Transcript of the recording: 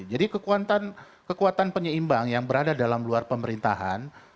jadi kekuatan penyeimbang yang berada dalam luar pemerintahan